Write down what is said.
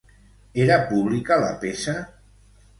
Era pública la peça?